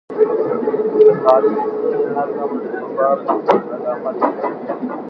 په تعلیم کې نظم د ثبات علامت دی.